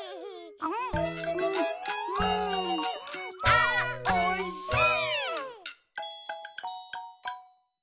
「あおいしい！」